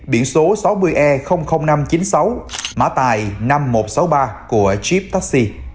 tên xe taxi biển số sáu mươi e năm trăm chín mươi sáu mã tài năm nghìn một trăm sáu mươi ba của jeep taxi